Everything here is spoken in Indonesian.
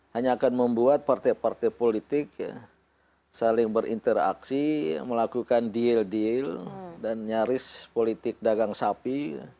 hanya akan membuat partai partai politik saling berinteraksi melakukan deal deal dan nyaris politik dagang sapi